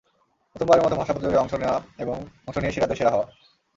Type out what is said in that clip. প্রথমবারের মতো ভাষা প্রতিযোগে অংশ নেওয়া এবং অংশ নিয়েই সেরাদের সেরা হওয়া।